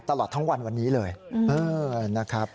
ตลอดทั้งวันวันนี้เลยนะครับ